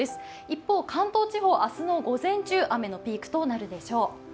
一方、関東地方、明日の午前中雨のピークとなるでしょう。